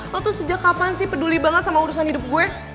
tau tuh sejak kapan sih peduli banget sama urusan hidup gue